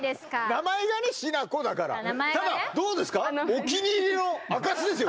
名前がねしなこだからただどうですかお気に入りの証しですよ